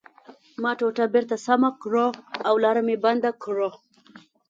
ما ټوټه بېرته سمه کړه او لاره مې بنده کړه